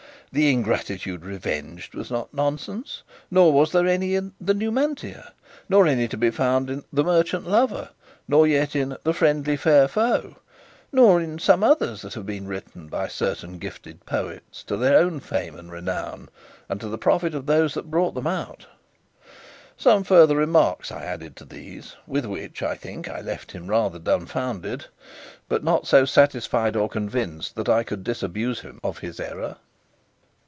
"The Ingratitude Revenged" was not nonsense, nor was there any in "The Numantia," nor any to be found in "The Merchant Lover," nor yet in "The Friendly Fair Foe," nor in some others that have been written by certain gifted poets, to their own fame and renown, and to the profit of those that brought them out;' some further remarks I added to these, with which, I think, I left him rather dumbfoundered, but not so satisfied or convinced that I could disabuse him of his error."